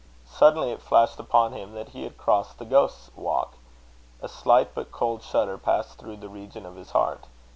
Suddenly it flashed upon him that he had crossed the Ghost's Walk. A slight but cold shudder passed through the region of his heart.